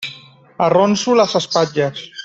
Arronso les espatlles.